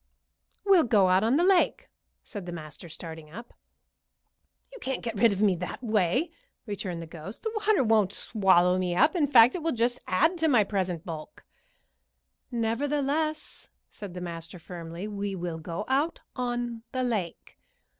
"We'll go out on the lake," said the master, starting up. "You can't get rid of me that way," returned the ghost. "The water won't swallow me up; in fact, it will just add to my present bulk." "Nevertheless," said the master, firmly, "we will go out on the lake."